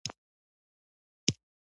لیکواله او تغذیه پوهه